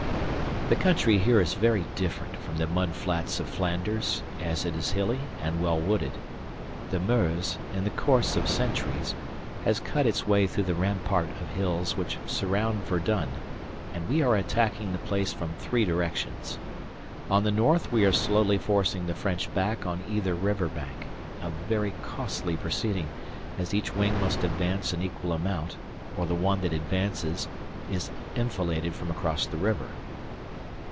The country here is very different from the mud flats of Flanders, as it is hilly and well wooded. The Meuse, in the course of centuries, has cut its way through the rampart of hills which surround Verdun, and we are attacking the place from three directions. On the north we are slowly forcing the French back on either river bank a very costly proceeding, as each wing must advance an equal amount, or the one that advances is enfiladed from across the river.